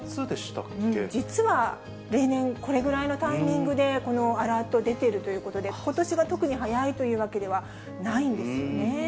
実は、例年、これぐらいのタイミングで、このアラート出てるということで、ことしが特に早いというわけではないんですよね。